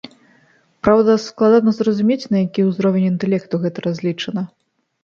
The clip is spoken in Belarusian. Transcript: Праўда, складана зразумець, на які ўзровень інтэлекту гэта разлічана.